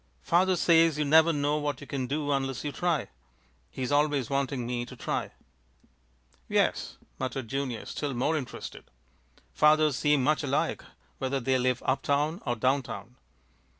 "Father says you never know what you can do unless you try. He's always wanting me to try." "Yes," muttered Junius, still more interested. "Fathers seem much alike, whether they live up town or down town."